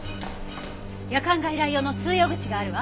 夜間外来用の通用口があるわ。